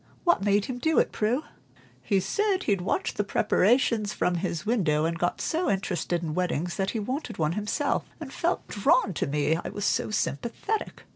What made him do it, Prue?" "He said he'd watched the preparations from his window, and got so interested in weddings that he wanted one himself, and felt drawn to me I was so sympathetic.